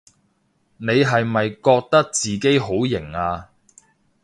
你係咪覺得自己好型吖？